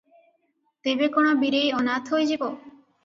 ତେବେ କଣ ବୀରେଇ ଅନାଥ ହୋଇଯିବ?